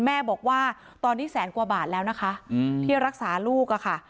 แม่บอกว่าตอนนี้แสนกว่าบาทแล้วนะคะที่รักษาลูกค่ะ